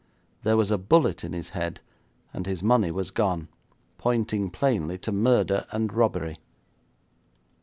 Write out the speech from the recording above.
There was a bullet in his head, and his money was gone, pointing plainly to murder and robbery.'